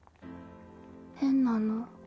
変なの。